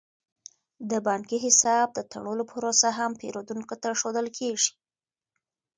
د بانکي حساب د تړلو پروسه هم پیرودونکو ته ښودل کیږي.